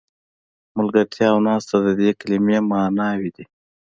ملګرتیا او ناسته د دې کلمې معناوې دي.